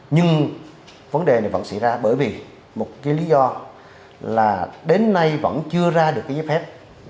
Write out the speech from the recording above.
nhưng vấn đề này vẫn xảy ra bởi vì một cái lý do là đến nay vẫn chưa ra được cái giấy phép